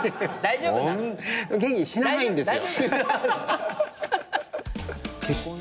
死なないんですよ。